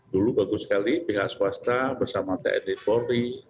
dulu bagus sekali pihak swasta bersama tni polri